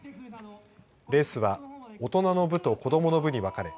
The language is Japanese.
レースは大人の部と子どもの部に分かれ